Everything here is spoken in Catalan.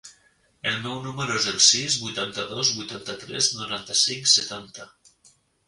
El meu número es el sis, vuitanta-dos, vuitanta-tres, noranta-cinc, setanta.